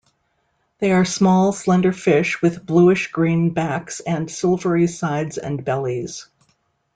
They are small, slender fish with bluish-green backs and silvery sides and bellies.